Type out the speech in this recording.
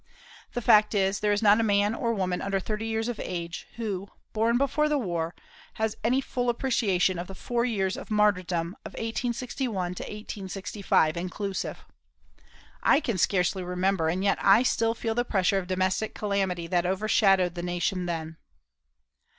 The fact is, there is not a man or woman under thirty years of age, who, born before the war, has any full appreciation of the four years martyrdom of 1861 to 1865, inclusive. I can scarcely remember, and yet I still feel the pressure of domestic calamity that overshadowed the nation then.